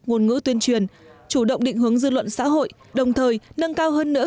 ngôn ngữ tuyên truyền chủ động định hướng dư luận xã hội đồng thời nâng cao hơn nữa